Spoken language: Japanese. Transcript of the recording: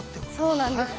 ◆そうなんです。